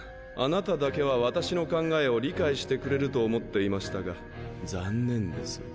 あなただけは私の考えを理解してくれると思っていましたが残念です。